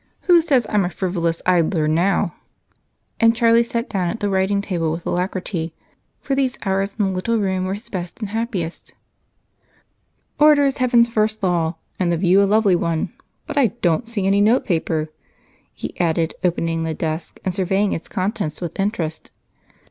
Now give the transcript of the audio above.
Who says I'm a 'frivolous idler' now?" And Charlie sat down at the writing table with alacrity, for these hours in the little room were his best and happiest. "Order is heaven's first law, and the view a lovely one, but I don't see any notepaper," he added, opening the desk and surveying its contents with interest.